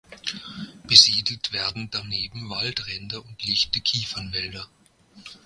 Besiedelt werden daneben Waldränder und lichte Kiefernwälder.